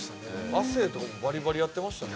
亜生とかもバリバリやってましたね